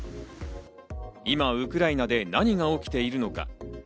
今、ウクライナで何が起きているのか。